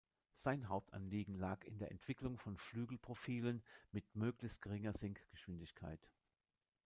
Sein Hauptanliegen lag in der Entwicklung von Flügel-Profilen mit möglichst geringer Sinkgeschwindigkeit.